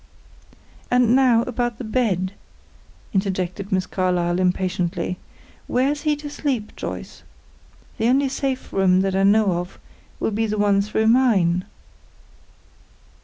"And now about the bed," interjected Miss Carlyle, impatiently. "Where's he to sleep, Joyce? The only safe room that I know of will be the one through mine."